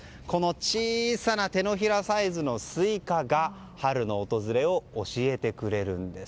小さな手のひらサイズのスイカが春の訪れを教えてくれるんです。